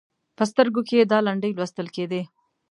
په سترګو کې یې دا لنډۍ لوستل کېدې: